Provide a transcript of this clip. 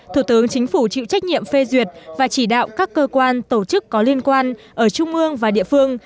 thủ tướng chính phủ chịu trách nhiệm phê duyệt và chỉ đạo các cơ quan tổ chức có liên quan ở trung ương và địa phương